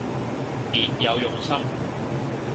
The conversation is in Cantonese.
別有用心